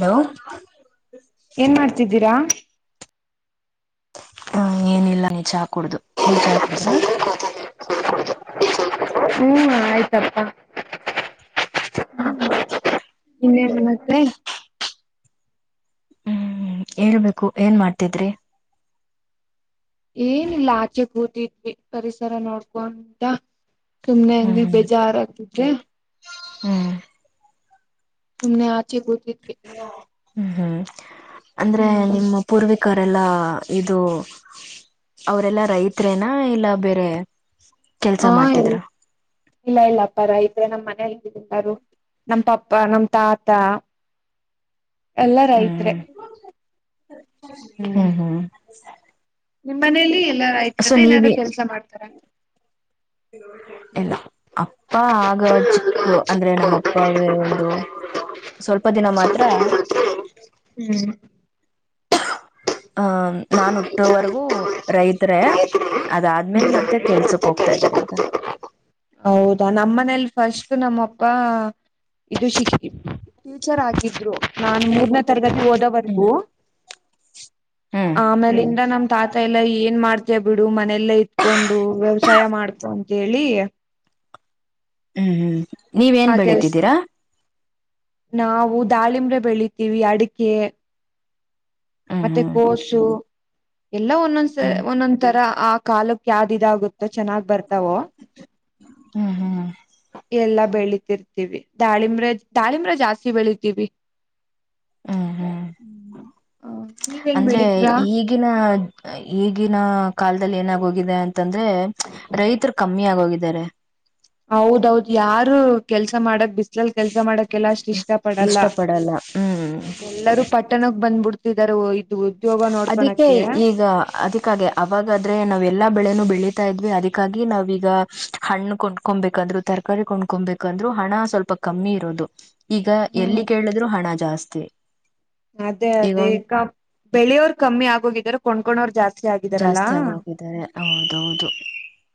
Hello ಏನ್ ಮಾಡ್ತಿದ್ದೀರಾ ಹ ಏನಿಲ್ಲ ನೀ ಚಾ ಕುಡ್ದು ನೀವ್ ಚಾ ಕುಡದ್ರ ಹ್ಮ್ ಆಯ್ತಪ್ಪ ಹ್ಮ ಇನ್ನೇ ನಮಸ್ತೆ ಹ್ಮ್ ಏಳ್ಬೇಕು ಏನ್ ಮಾಡ್ತಿದ್ರಿ ಏನಿಲ್ಲ ಆಚೆ ಕೂತಿದ್ವಿ ಪರಿಸರ ನೋಡ್ಕೊಂತ ಸುಮ್ನೆ ಹ್ಮ್ ಹಂಗಗೆ ಬೇಜಾರಾಗಗ್ತಿದ್ರೆ ಹ್ಮ್ ತುಮನೆ ಆಚೆ ಕೂತಿದ್ವಿ ಹ್ಮ್ ಹ್ಮ್ ಅಂದ್ರೆ ಹ್ಮ್ ನಿಮ್ಮ ಪೂರ್ವ ಕರೆಲ್ಲಾ ಇದು ಅವರೆಲ್ಲಾ ರೈತೆರೇನಾ ಇಲ್ಲ ಬೇರೆ ಕೆಲ್ಸ ಹಾ ಮಾಡ್ತಿದ್ರ ಇಲ್ಲ ಇಲ್ಲ ಅಪ್ಪಾರ [unintelligible] ಮ ನಮ್ಮ್ ಮನೆಯಲ್ಲಿರು ನಮ್ ಪಪ್ಪ ನಮ ತಾತ ಎಲ್ಲಾ ಹ್ಮ್ ರೈತ್ರೆ ಹ್ಮ್ ಹ್ಮ್ ಹ [inaudible] ನಿಮ್ಮ್ ಮನೇಲಿ ಎಲ್ಲಾರ ರೈತರೇ ನ ಏನಾದ್ರು ಕೆಲ್ಸ ಮಾಡತಾರ ಹ್ಮ [inaudible] ಇಲ್ಲ ಅಪ್ಪ ಆಗ ಚಿಕ್ಕ ಅಂದ್ರೆ ನಮ್ಮಪ್ಪಾಗ ಒಂದು ಸ್ವಲ್ಪ ದಿನ ಮಾತ್ರ ಆ ನಾನು ಹುಟ್ಟೋವರೆಗೂ ಹ್ಮ್ ರೈತರೇ ಅದಾದ್ಮೇಲೆ ಮತ್ತೆ ಕೆಲ್ಸಕ್ ಹೋಗ್ತಾ ಇದಾರೆ ಈಗ ಅದು ನಮ್ ಅಪಾ ಇದು ಶ ಟಿಚರ್ ಆಗಿದ್ರು ನಾನ್ ಮೂರನೇ ತರಗತಿ ಹ್ಮ್ ಓದವರೆಗು. ಹ್ಮ್ ಆಮೇಲಿಂದ ನಮ ತಾತ ಎಲ್ಲ ಏನ್ ಮಾಡ್ತೇ ಬಿಡು ಮನೆಯಲ್ಲ ಇತ್ಕೊಂಡು ವ್ಯವಸಾಯ ಮಾಡ್ಕೊ ಅಂತ ಹೇಳಿ. ಹ್ಮ್ ಹ್ಮ್. ನೀವೇನ್ ಬೆಳಿತಿದ್ದೀರಾ. ನಾವು ದಾಳಿಂಬ್ರೆ ಬೆಳಿತೀವಿ ಅಡಿಕೆ. ಮತ್ತೆ ಹ್ಮ್ ಕೋಸು. ಎಲ್ಲಾ ಒಂದೊಂದ್ಸ ಹ್ಮ್ ಒಂದೊಂದ್ ತರ ಆ ಕಾಲಕ್ಕೆ. ಇದಾಗುತ್ತೋ ಚೆನ್ನಾಗ್ ಬರ್ತಾವೋ. ಹ್ಮ್ ಹ್ಮ್ ಎಲ್ಲಾ ಬೆಳಿತಿರ್ತೀವಿ ದಾಳಿಂಬ್ರೆ ದಾಳಿಂಬ್ರ ಜಾಸ್ತಿ ಬೆಳಿತೀವಿ ಹ್ಮ್ ಹ್ಮ್ ಹ. ಅಂದ್ರೆ ಈಗಿನ ಈಗ. ಕಾಲದಲ್ಲಿ ಏನಾಗೋಗಿದೆ ಅಂತಂದ್ರೆ ರೈತರು ಕಮ್ಮಿ ಆಗೋಗಿದ್ದಾರೆ. ಹೌದೌದ್ ಯಾರು ಕೆಲ್ಸ ಮಾಡಕ್ ಬಿಸ್ ಕೆಲ್ಸ ಮಾಡಕೆಲ್ಲ ಅಷ್ಟ ಇಷ್ಟ ಪಡಲ್ಲ ಇಷ್ಟ ಪಡಲ್ಲ ಹ್ಮ್ ಎಲ್ಲರೂ ಪಟ್ಟಣಕ್ಕೆ ಬಂದ್ಬಿಡ್ತ ಇದರೊ. ಅದಿಕ್ಕೆ ಈಗ ಅದಿಕ್ಕ ಹಾಗೆ ಅವಾಗಾದ್ರೆ ನಾವೆಲ್ಲಾ ಬೆಳೆನೂ ಬೆಳಿ ತ ಇದ್ವಿ ಅದಕ್ಕಾಗಿ ನಾವೀಗ ಹಣ್ಣು ಕೊಂಡ್ಕೊಬೇಕಂದ್ರು ತರಕಾರಿ ಕೊಂಡ್ಕೊಬೇಕಂದ್ರು ಹಣ ಸ್ವಲ್ಪ ಕಮ್ಮಿ ಇರೋದು. ಈಗ ಹ್ಮ್ ಎಲ್ಲಿ ಕೇಳಿದ್ರು ಹಣ ಜಾಸ್ತಿ. ತೇ ಅದೇ ಅದೇ. ಬೆಳೆಯವ್ರು ಕಮ್ಮಿ ಆಗೋಗಿದ್ದಾರೆ ಕೊಂಡಕೋರು ಜಾಸ್ತಿ. ಮದುವೆ ಆಗಿದಾರಳಾ ಜಾಸ್ತಿ ಆಗೋಗಿದ್ದಾರೆ ಹೌದೌದು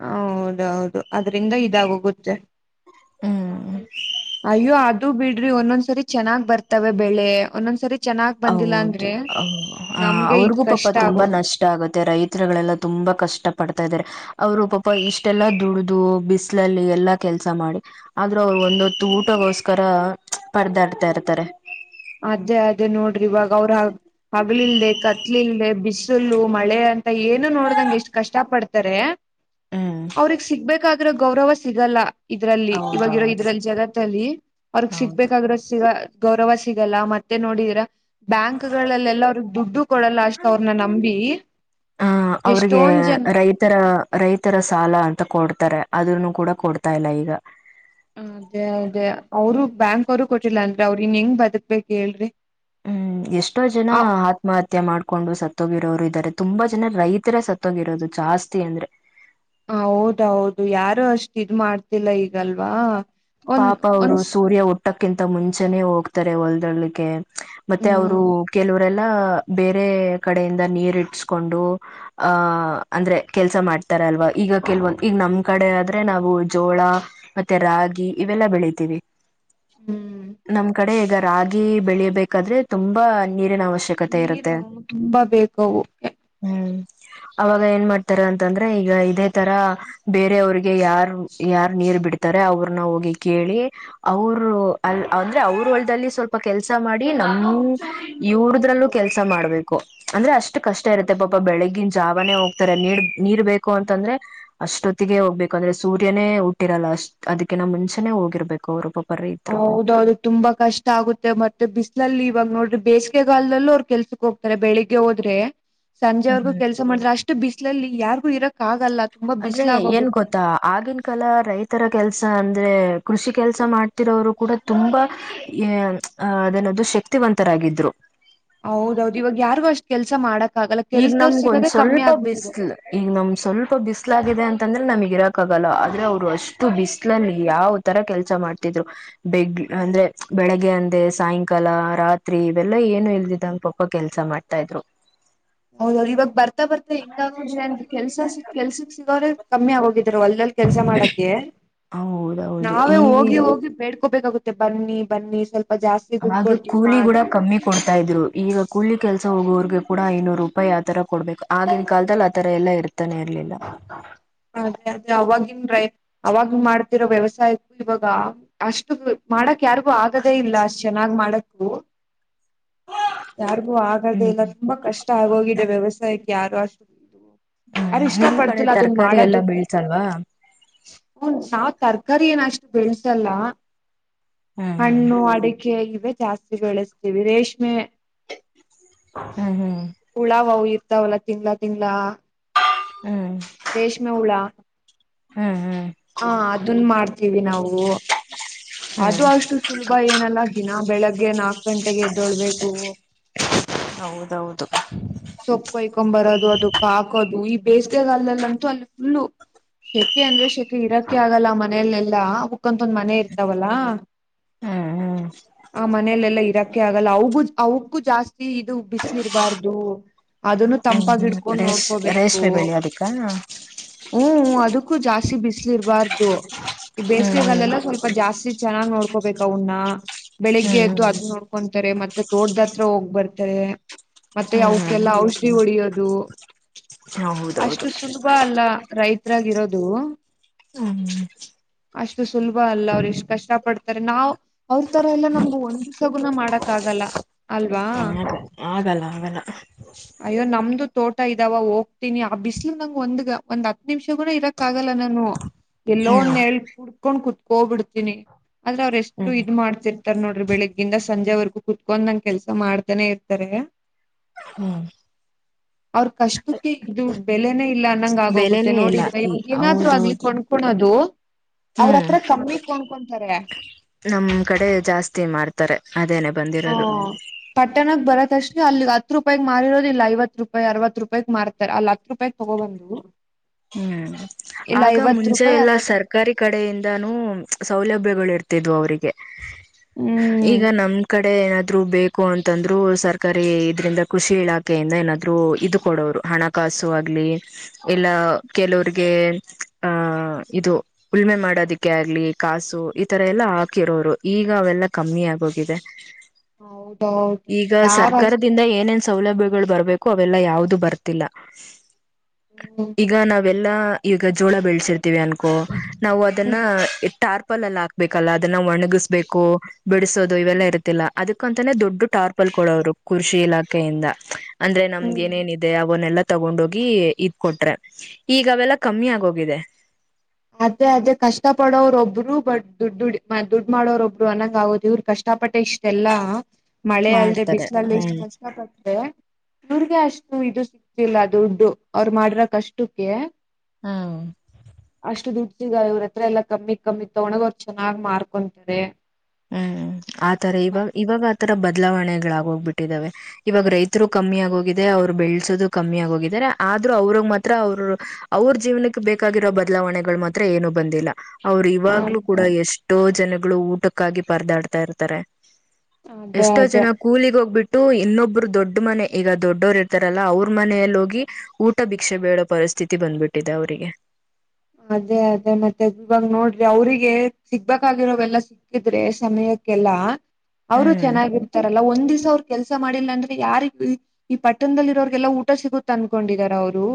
ಹೌದ ಹೌದು. ಅದ್ರಿಂದ ಇದಾಗೋಗುತ್ತೆ. ಹ್ಮ್ ಅಯ್ಯೋ ಆ ಬಿಡ್ರಿ ಒಂದೊಂದ್ಸರಿ ಚೆನ್ನಾಗ್ ಬರ್ತವೆ ಬೆಳೆ ಒಂದೊಂದ್ಸರಿ ಚೆನ್ನಾಗ್ ಬಂದಿಲ್ಲ ಹೌದು ಅಂದ್ರೆ ಹ ನಮ್ಗೆ ಇದ್ ಅವ್ರಿಗೂ ಪಾಪ ಕಷ್ಟ ತುಂಬಾ ಆಗೋಗ ನಷ್ಟ ಆಗುತ್ತೆ ರೈತರುಗಳೆಲ್ಲ ತುಂಬಾ ಕಷ್ಟ ಪಡ್ತ ತಾ ಇದಾರೆ ಅವ್ರು ಪಾಪ ಇಷ್ಟೆಲ್ಲಾ ದುಡ್ದು ಬಿಸ್ಲಲ್ಲಿ ಎಲ್ಲಾ ಕೆಲ್ಸ ಮಾಡಿ ಆದ್ರೂ ಅವರು ಒಂದೊತ್ತು ಊಟಗೋಸ್ಕರ ಪರ್ದಾಡ್ತಾ ಇರ್ತಾರೆ. ಅದೇ ಅದೇ ನೋಡ್ರಿ ಇವಾಗ. ಗೌರ [unintelligible] ಬಲಿಲ್ಲದೆ ಬಿಸಿಲ್ಲ ಮಳೆ ಅಂತ ಏನು ನೋಡ್ದಂಗ ಎಷ್ಟ್ ಕಷ್ಟ ಪಡ್ತಾರೆ. ಹ್ಮ್ ಅವ್ರಗ್ ಸಿಗ್ಬೇಕಾಗ ಗೌರವ ಸಿಗಲ್ಲ ಇದ್ರಲ್ಲಿ ಇವವಾಗಿರೋ ಹೌದೌದು ಇದ್ರಲ್ಲಿ ಜಗತ್ತಲ್ಲಿ ಅವ್ರಗ್ ಹೌದು ಸಿಗ್ಬೇಕಾಗಿರೋ ಸಿಗ ಗೌರವ ಸಿಗಲ್ಲ ಮತ್ತೆ ನೋಡಿದೀರಾ ಬ್ಯಾಂಕ್ ಗಳಲ್ಲೆಲ್ಲ ಅವರು ದುಡ್ಡು ಕೊಡಲ್ಲ ಅಷ್ಟ ಅವ್ರನ್ನ ನಂಬಿ ಆ ಅವ್ರಿಗೆ ಎಷ್ಟೊಂದ ಜನ ರೈತರ ಅದ್ರನು ಕೂಡ ಕೊಡ್ತಾ ಇಲ್ಲ ಈಗ ಅದೇ ಅದೇ ಅವರು ಬ್ಯಾಂಕ್ ಅವರು ಕೊಟ್ಟಿಲ್ಲ ಅಂದ್ರೆ ಅವ್ರರು ಇನ್ ಹೆಂಗ ಬದಕ್ಬೇಕ್ ಹೇಳ್ರಿ ಹ್ಮ್ ಎಷ್ಟೋ ಜನ ಆತ್ಮಹತ್ಯೆ ಮಾಡ್ಕೊಂಡು ಸತ್ತೋಗಿರೋರು ಇದಾರೆ ತುಂಬಾ ಜನ ರೈತರ ಸತ್ತೋಗಿರೋದು ಜಾಸ್ತಿ ಅಂದ್ರೆ ಹ ಹೌದೌದು ಯಾರು ಅಷ್ಟು ಇದ್ ಮಾಡ್ತಿಲ್ಲ ಈಗಲ್ವಾ ಒಂದ್ ಪಾಪ ಅವರು ಒಂದ್ ಸೂರ್ಯ ಉಟ್ಟು. [unintelligible] ಊಟ್ಟಕ್ಕಿಂತ ಮುಂಚೆನೇ ಹೋಗ್ತಾರೆ ಹೊಲ್ದಡ್ಲಿಕ್ಕೆ ಮತ್ತೆ ಅವರು ಹ್ಮ್ ಕೆಲವರೆಲ್ಲ [unintelligible] ಬೇರೆ ಕಡೆಯಿಂದ ನೀರಿ ಇಟ್ಟಸ್ಕೊಂಡು ಆಹ ಅಂದ್ರೆ ಕೆಲಸ ಮಾಡ್ತಾರ ಅಲ್ವಾ ಈಗ ಕೆಲವೊಂದು ಈಗ ನಮ್ ಕಡೆ ಆದ್ರೆ ನಾವು ಜೋಳ ಮತ್ತೆ ರಾಗಿ. ಇವೆಲ್ಲಾ ಬೆಳಿತೀವಿ. ಹ್ಮ್ ನಮ್ ಕಡೆ ಹೇಗ. ರಾಗಿ ಬೆಳೆಯಬೇಕಾದ್ರೆ ತುಂಬಾ ನಿ. ನೀರು ತುಂಬಾ ಬೇಕು [unintelligible] ಹ್ಮ್ ಅವಾಗ ಏನ್ ಮಾಡತಾರೆ ಅಂತಂದ್ರೆ ಈಗ ಇದೇ ತರ ಬೇರವ್ರಿಗೆ ಯಾರ್ ಯಾರ್ ನೀರ್ ಬಿಡ್ತಾರೆ ಅವ್ರನ್ನ ಹೋಗಿ ಕೇಳಿ ಅವರು ಅ ಅಂದ್ರೆ ಅವ್ರ ಒಳಲ್ಲಿ ಸ್ವಲ್ಪ ಕೆಲ್ಸ ಮಾಡಿ ನಮ ಇವ್ರದ್ರಲ್ಲೂ ಕೆಲ್ಸ ಮಾಡ್ಬೇಕು ಅಂದ್ರೆ ಅಷ್ಟು ಕಷ್ಟ ಇರುತ್ತೆ ಪಾಪ ಬೆಳಗಿನ ಜಾವಾನೇ ಹೋಗ್ತಾರೆ ನೀರ್ ನೀರ್ ಬೇಕು ಅಂತಂದ್ರೆ ಅಷ್ಟೊತ್ತಿಗೆ ಹೋಗ್ಬೇಕು ಅಂದ್ರೆ ಸೂರ್ಯನೇ ಹುಟ್ಟಿರಲ್ಲ ಅಷ್ಟ ಅದಕ್ಕ ನ ಮುಂಚೆ ಹೋಗಿರ್ಬೇಕು ಅವರು ಪಬ್ [unintelligible] ಹೌದೌದು ತುಂಬ ಕಷ್ಟ ಆಗುತ್ತೆ ಮತ್ [unintelligible] ಮತ್ತೆ ಬಿಸ್ಲಲ್ಲಿ ಇವಾಗ ನೋಡ್ರಿ ಬೇಸಿಗೆಗಾಲದಲ್ಲೂ ಅವರು ಕೆಲ್ಸಕ್ ಹೋಗ್ತಾರೆ ಬೆಳಿಗ್ಗೆ ಹೋದ್ರೆ ಸಂಜೆವರೆಗೂ ಹ್ಮ್ ಕೆಲಸ ಮಾಡ್ರೆ ಅಷ್ಟು ಬಿಸಿ [unintelligible] ಲ್ಲಿ ಯಾರ್ಗು ಇರಕ್ ಆಗಲ್ಲ. ತುಂಬಾ ಅಂದ್ರೆ ಏನ್ ಬಿಸ್ಲಾಗೋಗುತ್ತೆ ಗೊತ್ತಾ ಆಗಿನ ಕಾಲ ರೈತರ ಕೆಲಸ ಅಂತ [unintelligible] ಕೃಷಿ ಕೆಲಸ ಮಾಡ್ತಿರೋವರು ಕೂಡ ತುಂಬಾ ಹ ಅದೇನದು ಶಕ್ತಿವಂತರಾಗಿದ್ರು ಹೌದೌದು ಇವಾಗ ಯಾರಿಗು ಅಷ್ಟ್ ಕೆಲ್ಸ ಮಾಡಕ್ ಆಗಲ್ಲ ಈಗ ಕೆಲ್ಸದವ್ರು ನಮ್ಗ ಒಂದ್ ಸಿಗೋದೇ ಕಮ್ಮಿ ಸ್ವಲ್ಪ ಆಗ್ಬಿಟ್ಟಿದೆ ಬಿಸಲ್ ಈಗ ನಮ್ ಸ್ವಲ್ಪ ಬಿಸ್ಲಾಗಿದೆ ಅಂತಂದ್ರೆ ನಮಗ ಇರ ಕ್ಕಾಗಲ್ಲ ಆದ್ರೆ ಅವ್ರು ಅಷ್ಟು ಬಿಸ್ಲಲ್ಲಿ ಯಾವ್ ತರ ಕೆಲ್ಸ ಮಾಡ್ತಿದ್ರು ಬೆಗ್ ಅಂದ್ರೆ ಬೆಳಗ್ಗೆ ಅಂದೆ ಸಾಯಂಕಾಲ ರಾತ್ರಿ ಇವೆಲ್ಲ ಏನು ಇಲ್ದಿದ್ದಂಗ ಪಪ ಕೆಲ್ಸ ಮಾಡ್ತಾ ಇದ್ರು ಹೌದೌದು ಇವಾಗ ಬರ್ತಾ ಬತಾ ಹಿಂಗ ಆದಂದ ಕೆಲ್ಸ ಸಿ ಕೆಲ್ಸಿಕ್ ಸಿಗ್ರೆ [unintelligible] ಕಮ್ಮಿ ಆಗೋಗಿದ್ದ್ರು ಹೊಲದಲಿ ಕೆಲಸ ಮಾಡಕ ಹೌದೌದು ನಾವೇ ಈಗ ಹೋಗಿ ಹೋಗಿ ಬೇಡ್ [unintelligible] ಹೋಬೇಕಾಗುತ್ತೆ ಬನ್ನಿ ಬನ್ನಿ ಸ್ವಲ್ಪ ಜಾಸ್ತಿ ದುಡ್ಡು ಆಗ ಕೊಡ್ತೀವಿ ಕೂಲಿ ಗೂಡ ಮಾಡ್ರಿ ಕಮ್ಮಿ ಕೊಡ್ತಾ ಇದ್ರು ಈಗ ಕೂಲಿ ಕೆಲಸ. ಹೋಗುವರ್ಗೆ ಕೂಡ ಐನೂರು ರೂಪಾಯಿ ಆತರ ಕೊಡ್ಬೇಕು ಆಗಿನ ಕಾಲದಲ್ಲಿ ಆತರ ಎಲ್ಲ ಇರ್ತಾನೆ ಇರ್ಲಿಲ್ಲ. ಅದೇ ಅದೇ ಅವವಾಗಿನ್ ರೈ ಅವಾಗ ಮಾಡ್ತಿರೋ ವ್ಯವಸಾಯಕ್ಕೂ ಇವಾಗ ಅಷ್ಟು ಮಾಡಕ್ ಯಾರಿಗು ಆಗದೇ ಇಲ್ಲ ಅಷ್ಟ್ ಚೆನ್ನ್ ಮಾಡ ಹ ಯಾರಿಗೂ ಆಗದೆೇ ಹ್ಮ್ ಇಲ್ಲ ತುಂಬಾ ಕಷ್ಟ. ಇಷ್ಟ ಆಗೋಗಿದೆ ವ್ಯವಸಾಯಕ್ಕೆ ಯಾರು ಅಷ್ಟು. ಯಾರು ಇಷ್ಟ ಪಡ್ತಿಲ್ಲ ಅದನ್ನ ಕರಿ ಎಲ್ಲ ಬೆ ಮಾಡೋದಕ್ಕೂ ನಾವ್ ತರಕಾರಿ ಏನ ಅಷ್ಟು ಬೆಳ್ಸಲ್ಲ. ಹ್ಮ್ ಹಣ್ಣು ಅಡಿಕೆ. ಜಾಸ್ತಿ ಬೆಳೆಸ್ತೀವಿ ರೇಷ್ಮೆ. ಹ್ಮ್ ಹ್ಮ್ ಹುಳಾವವು ಇರ್ತವಲ್ಲ. ತಿಂಗಳ ತಿಂಗಳ. ಹ್ಮ್ ರೇಷ್ಮೆ ಹೂಳಾ. ಹ್ಮ್ ಹ್ಮ್ ಹಾ ಅದನ್ನ ಮಾಡ್ತೀವಿ ನಾವು ಅದು ಹ್ಮ್ ಅಸ್ಟು ಸುಲಭ ಏನಲ್ಲ ದಿನಾ ಬೆಳಿಗ್ಗೆ ನಾಲ್ಕು ಗಂಟೆಗೆ ಏಳಬೇಕು ಹೌದೌದು ಸೊಪ್ಪು ಕೊಯ್ಕೊಂಡು ಬರೋದು ಅದನ್ನ ಅದಕೆ ಹಾಕೋದು ಈ ಬೇಸಿಗೆಗಲ್ದಲ್ಲಂತೂ ಅಲ್ಲಿ ಫುಲ್ಲು ಶೆಕೆ ಅಂದ್ರೆ ಶೆಕೆ. ಇರೋಕ್ಕೆೆ ಆಗಲ್ಲ ಮನಲ್ಲೆಲ್ಲ ಲ್ಲಾ ಇನ್ತಂದ ಮನೆ ಇರ್ತಾವಲ್ಲ ಹ್ಮ್ ಹ್ಮ್ ಆ ಮನೆಯಲ್ಲೆಲ್ಲಾ ಇರಕ್ಕೆ. ಆಗಲ್ಲ ಅವಗು ಅವಕ್ಕೂ ಜಾಸ್ತಿ ಇದು ಬಿಸಿಲಿ ಇರಬಾರ್ದು. ಅದನ್ನು ಹ್ಮ್ ಹ್ಮ್ ತಂಪಾಗಿಇಟ್ಕೊಂಡು ರೇಶ್ ನೋಡ್ಕೋಬೇಕು ರೇಷ್ಮೆ ಬೆಳಿ ಅದಕ್ಕ ಹ್ಮ್ ಹ್ಮ. ಅದಕ್ಕೂ ಜಾಸ್ತಿ ಬಿಸಿಲಿ ಇರಬಾರ್ದು. ಈ ಹ್ಮ್ ಬೇಸಿಗೆಗಾಲೆಲ್ಲ ಸ್ವಲ್ಪ ಜಾಸ್ತಿ ಚೆನ್ನಾಗ್ ನೋಡ್ಕೋಬೇಕ ಅವನ್ನ ಬೆಳಿಗ್ಗೆ ಹ್ಮ್ ಎದ್ದು ಹ್ಮ್ ಅದ ನೋಡ್ಕೊಂತಾರೆ ಮತ್ತೆ ತೋಟದ ಹತ್ರ ಹೋಗ್ ಬರ್ತಾರೆ ಮತ್ತೆ ಅವು ಹ್ಮ್ ಕ್ಕೆಲ್ಲ ಔಷಧಿ ಒಡೆಯದು. ಹೌದೌದು ಅಷ್ಟು ಸುಲಭ ಅಲ್ಲ. ರೈತರಾಗಿರೋದು ಹ್ಮ್ ಅಷ್ಟು ಸುಲಭ ಅಲ್ಲ ಅವ್ರ ಇಷ್ಟ್ ಕಷ್ಟ ಪಡ್ತಾರೆ ನಾವ್ ಅವ್ರ ತರ ಎಲ್ಲ ನಮ್ಗ ಒಂದ್ ಸಗುನ ಮಾಡಕ್ ಆಗಲ್ಲ ಅಲ್ವಾ. ಆಗಲ್ಲ ಆಗಲ್ಲ. ಅಯ್ಯೋ ನಮ್ದು ತೋಟ ಇದಾವ ಹೋಗ್ತೀನಿ ಆ ಬಿಸಿಲು ನಂಗಗೆ ಒಂದ್ಗ ಒಂದ್ ಹತ್ ನಿಮಿಷ ಗೂಡ ಇರಕ್ ಆಗಲ್ಲ ನಾನು. ಎಲ್ಲೋ ಹ್ಮ್ ಒಂದ ನೆರಳ ಕುಂತು ಕುೂತ್ಕೊಂಡ್ ಕುೂತ್ಕೋ ಬಿಡ್ತೀನಿ ಆದ್ರೆ ಅವ್ರ ಎಷ್ಟು ಹ್ಮ್ ಇದ್ ಮಾಡ್ತಿರ್ತಾರ್ ನೋಡ್ರಿಬೆಳಗಿಂದ ಸಂಜೆವರೆಗೂ ಕುೂತ್ಕೊಂಡ್ ಇರದೇ ಕೆಲಸ. ಮಾಡ್ತಾನೆ ಇರ್ತಾರೆ ಹ್ಮ್ ಅವ್ರ ಕಷ್ಟಕ್ಕೆ ಇದು ಬೆಲೆನೇ ಇಲ್ಲಾ ಅನ್ನಂಗ ಆಗೋಗುತ್ತೆ ಬೆಲೆನೇ ಇಲ್ಲ ನೋಡಿದ್ರ ಈ ಇವ ಏನಾದ್ರು ಅಗ್ಲಿ ಹೌದೌದು ಕೊಂಡುಕೊಳ್ಳೋದು ಅವ್ರ ಹ್ಮ್ ಹತ್ರ ಕಮ್ಮಿ ಕೋಡ ಹಕೊಂತಾರೆ. ನಮ್ ಕಡೆ ಜಾಸ್ತಿ ಮಾರ್ತಾರೆ ಅದೇನೆೇ ಬಂದಿರೋದು. ಕ್ಷ ಅಲ್ಲಿಗ್ ಹತ್ತು ರೂಪಾಯ ಮಾರಿರೋ ಲ್ಲಲ್ಲ ಐವತ್ತು ರೂಪಾಯಿ ಅರವತ್ತು ರೂಪಾಯ ಮಾರ್ತಾರೆ ಅಲ್ಲಿ ಹತ್ತು ರೂಪಾಯಿ ತೊಗೋಬಂದು. ಹ್ಮ್ ಆಗ ಮುಂಚೆ ರೂಪಾಯಿ ಎಲ್ಲಾ ಅರವತ್ ಸರ್ಕಾರಿ ಕಡೆಯಿಂದಾನೂ ಸೌಲಭ್ಯಗಳ ಇರ್ತ ತ್ತಿದು ಅವರಿಗೆ. ಹ್ಮ್ ಈಗ ನಮ್ ಕಡೆ ಏನಾದ್ರು ಬೇಕು. ಅಂತಂದ್ರು ಸರ್ಕಾರಿ ಇದ್ರಿಂದ ಕೃಷಿ ಇಲಾಖೆಯಿಂದ ಏನಾದ್ರೂ ಇದು ಕೊಡೋರು ಹಣಕಾಸು ಆಗ್ಲಿ ಎಲ್ಲಾ. ಕೆಲವ್ರಿಗೆ ಆಹ ಇದು ಉಳಮೆ ಮಾಡೋದಿಕ್ಕೆ ಆಗ್ಲಿ ಕಾಸು ಈತರ ಎಲ್ಲ ಹಾಕಿರೋರು ಈಗ ಅವೆಲ್ಲ ಕಮ್ಮಿ ಆಗೋಗಿದೆ. ಹೌದೌದು ಈಗ ಯಾರ್ ಅಷ್ಟ್ ಸರ್ಕಾರದಿಂದ ಏನೇನ್ ಸೌಲಭ್ಯಗಳು ಬರ್ಬೇಕು. ಅವೆಲ್ಲಾ ಯಾವ್ದು ಬರ್ತಿಲ್ಲ. ಹ್ಮ್. ಎಲ್ಲಾ ಈಗ ಜೋಳ ಬೆಳೆಸಿರ್ತ್ತೆ. ದಿವಿ ಅನ್ಕೋ ನಾವು ಅದನ್ನ ಟಾರ್ ಪ್ಪಲ್ಲ ಎಲ್ಲ ಹಾಕ್ಬೇಕಲ್ಲ ಅದನ್ನ ಒಣಗ್ ಒಣಗಿಸಬೇಕು ಬಿಡಿಸೋದು ಇವೆಲ್ಲ ಇರತಿಲ್ಲ ಅದಕ್ಕ ಅಂತಾನೆ ದೊಡ್ಡ ಟಾರ್ಪಲ್ ಕೊಡೋರು ಕೃಷಿ ಇಲಾಖೆಯಿಂದ. ಅಂದ್ರೆ ನಮ್ಗೆ ಹ್ಮ್ ಏನೇನ್ ಇದೆ ಅವನ್ನೆಲ್ಲ ತಗೊಂಡೋಗಿ ಇದ್ಕ ಕೊಟ್ರೆ. ಈಗ ಅವೆಲ್ಲ ಕಮ್ಮಿ ಆಗೋಗಿದೆ. ಅದೇ ಅದೇ ಕಷ್ಟ ಪಡೋರೊಬ್ರು ಬಟ್ ದುಡ್ಡು ದುಡ್ ಮ ದುಡ್ ಮಾಡೋರ ಒಬ್ರು ಅನ್ನಂಗ ಆಗೋದ ಇವ್ರ ಕಷ್ಟ ಪಟ್ಟೆ ಇಷ್ಟ ಎಲ್ಲಾ. ಮಳೆ ಅಲ್ಲದೆ ಮಾಡ್ತಾರೆ ಬಿಸಿಲಲ್ಲಿ ಇಷ್ಟು ಹ್ಮ್ ಕಷ್ಟ ಪಡ್ಡೆ. ಇವ್ರ್ಗೆ ಅಷ್ಟು ಇದು ಸಿಗ್ತಿಲ್ಲ ದುಡ್ಡು ಅವರು ಮಾಡಿರೋ ಕಷ್ಟಕ್ಕೆ ಹ್ಮ್. ಎಷ್ಟು ದುಡಿದಿದ್ದಾರೆ ಇವ್ರ ಹತ್ರ ಎಲ್ಲ ಕಮ್ಮಿ ಕಮ್ಮಿ ತೊಗೊಂಡೋಗ್ ಅವ್ರು ಚೆನ್ನಾಗ್ ಮಾರ್ಕೊಂತಾರೆ. ಹ್ಮ್ ಆತರ ಇವಾಗ ಇವಾಗ. ತರ ಬದಲಾವಣೆಗಳಾಗೋಗ್ಬಿಟ್ಟಿದಾವೆ ಇವಾಗ ರೈತರು ಕಮ್ಮಿ ಆಗೋಗಿದೆ ಅವ್ರು ಬೆಳಸೋದು ಕಮ್ಮಿ ಆಗ ಹೋಗಿದಿದ್ದಾರೆ ಆದ್ರರು ಅವ್ರಗ್ ಮಾತ್ರ ಅವ್ರ ಅವ್ರ ಜೀವನಕ್ಕೆ ಬೇಕಾಗಿರೋ ಬದಲಾವಣೆಗಳು ಮಾತ್ರ ಏನು ಬಂದಿಲ್ಲ. ಅವರು ಇವಾಗ್ಲು ಕೂಡ ಎಷ್ಟೋ ಜನ ಗಳು ಊಟ ಕಕ್ಕಗಾಗಿ ಪರದಾಡ್ತಾ ಇರ್ತಾರೆ. ಅದೇ ಎಷ್ಟೋ ಅದೇ ಜನ ಕೂಲಿಗ್ ಹೋಗ್ಬಿಟ್ಟು ಇನ್ನೊಬ್ಬರು ದೊಡ್ಡ ಮನೆ ಈಗ ದೊಡ್ಡವರು ಇರ್ತಾರಲ್ಲ ಅವ್ರ ಮನೆಯಲ್ಲಿ ಹೋಗಿ ಊಟ ಭಿಕ್ಷೆ ಬೇಡೋ ಪರಿಸ್ಥಿತಿ ಬಂದ್ಬಿಟ್ಟಿದೆ ಅವರಿಗೆ. ಅದೇ ಅದೇ ಮತ್ತೆ ಇವಾಗ ನೋಡ್ರಿ ಅವ್ರಿಗೆ ಸಿಗ್ಬೇಕಾಗಿರೋವೆಲ್ಲ ಸಿಕ್ಕಿದ್ರೆ ಸಮಯಕ್ಕೆಲ್ಲ ಅವರು ಹ್ಮ್ ಚೆನ್ನಾಗಿರ್ತಾರಲ್ಲ ಒಂದ್ ದಿವಸ. ಅವ್ರ ಕೆಲಸ ಮಾಡಿಲ್ಲ ಅಂದ್ರೆ ಯಾರಿಗ್ ಈ ಪಟ್ಟಣದಲ್ಲಿ ಇರೋರಿಗೆಗೆಲ್ಲಾ ಊಟ ಸಿಗುತ್ತ ಅನ್ಕೊಂಡಿದಾರ ಅವ್ರು.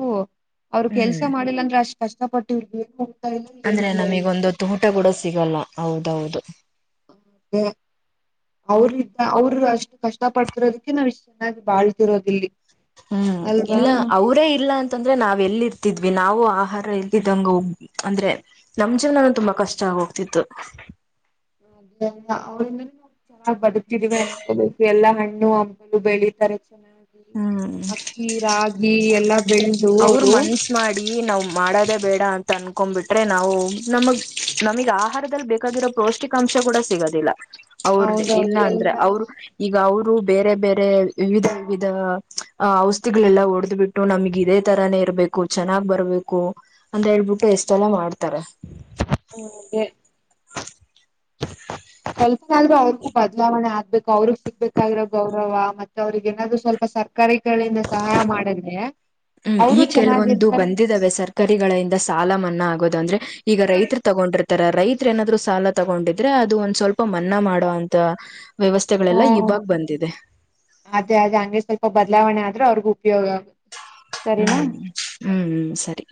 ಅವರು ಕೆಲ್ಸ ಹ್ಮ್ ಮಾಡಿಲ್ಲ ಅಂದ್ರೆ ಅಷ್ ಕಷ್ಟಪಟ್ ಏನ್ ಬರು ಅಂದ್ರೆ ನಮಿಗೊಂದ್ ಹೊತ್ತ್ ಊಟ ಕೂಡ ಸಿಗಲ್ಲ ಹೌದೌದು. [unintelligible] ಅವ್ರ್ದ ಅವರು ಅಷ್ಟು ಕಷ್ಟ ಪಡ್ತಿರೋದಕ್ಕೆ ನಾವ್ ಇಷ್ಟು ಚೆನ್ನಾಗಿ ಬಾಳ್ತಿರೋದಿಲ್ಲಿ. ಹ್ಮ್ ಇಲ್ಲ ಅಲ್ವಾ ಅವರೇ ಇಲ್ಲಾ ಅಂತಂದ್ರೆ ನಾವ್ ಎಲ್ಲಿ ಇರ್ತಿದ್ ವಿ ನಾವು ಆಹಾರ ಇಲ್ಲಿದ್ದಂಗ ಹೋಗ್ ಅಂದ್ರೆ ನಮ್ ಜೀವನಾನು ತುಂಬಾ ಕಷ್ಟ ಹೋಗ್ತಿತ್ತು. [inaudible] ನಾವ್ ಬದುಕ್ತಿದೀವಿ ಅನ್ಕೋಬೇಕು ಎಲ್ಲ ಹಣ್ ಣು ಹಂಪಲು ಬೆಳಿಿತಾರೆ. [unintelligible] ಹ್ಮ್ ಅಕ್ಕಿ ರಾಗಿ ಎಲ್ಲಾ ಬೆಳ್ದು ಅವ್ರು ಈ ನಾವ್ ಮಾಡೋದೇ ಬೇಡ ಅಂತ ಅನ್ಕೊಂಡ್ಬಿಟ್ರೆ ನಾವು ನಮಗ್ ನಮಗ್ ಆಹಾರದಲ್ಲಿ ಬೇಕಾಗಿರೋ ಪೌಷ್ಟಿಕಾಂಶ ಕೂಡ ಸಿಗೋದಿಲ್ಲ. ಅವ್ರ ಇಲ್ಲ ಹೌದೌದು ಅಂದ್ರೆ ಎಲ್ಲಾ ಅವ್ರು ಈಗ ಅವ್ರು ಬೇರೆ ಬೇರೆ ವಿಧ ವಿಧ ಔಷಧಿಗಳೆಲ್ಲ ಹೊಡೆದು ಬಿಟ್ಟು ನಮ್ಗಿದೆ ತರಾನೇ ಇರ್ಬೇಕು ಚೆನ್ನಾಗ್ ಬರ್ಬೇಕು ಅಂತ ಹೇಳ್ಬಿಟ್ಟು ಎಷ್ಟೆಲ್ಲ ಮಾಡ್ತಾರೆ. ಹ್ಮ್ ಅದೇ ಸ್ವಲ್ಪನಾದ್ರೂ ಅವ್ರ್ಗೂ ಬದಲಾವಣೆ ಆಗ್ಬೇಕು ಅವ್ರಗ್ ಸಿಗ್ಬೇಕಾಗಿರೋ ಗೌರವ ಮತ್ತೆ ಅವ್ರಿಗೇನಾದ್ರೂ ಸ್ವಲ್ಪ ಸರ್ಕಾರಿ ಹ್ಮ ಈ ಅವರು ಕೆಲ್ವೊಂದು ಚೆನ್ನಾಗಿರ್ತಾರೆ. ಬಂದಿದ್ದಾವೆ ಸರ್ಕಾರಿಗಳಿಂದ ಸಾಲ ಮನ್ನಾ ಆಗೋ ತ್ತು ಅಂದ್ರೆ ಈಗ ರೈತರು ತಗೊಂಡಿರ್ತಾರ ರೈತ್ರು ಏನಾದ್ರು ಸಾಲ ತಗೊಂಡಿದ್ರೆ ಅದು ಒಂದ್ ಸ್ವಲ್ಪ್ ಪ ಮನ್ನ ಮಾಡೋವಂತ ವ್ಯವಸ್ಥೆಗಳೆಲ್ಲ ಹ್ಮ ಇವಾಗ ಬಂದಿದೆ. ಗು ಉಪ್ಯೋಗ ಆಗು ಹ್ಮ್ ಹ್ಮ್ ಸರಿ.